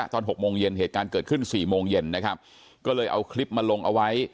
หกโมงเย็นเหตุการณ์เกิดขึ้น๔โมงเย็นนะครับก็เลยเอาคลิปมาลงเอาไว้